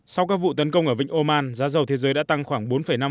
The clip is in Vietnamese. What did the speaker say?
sau các vụ tấn công ở vịnh oman giá dầu thế giới đã tăng khoảng bốn năm